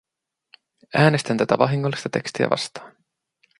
Äänestän tätä vahingollista tekstiä vastaan.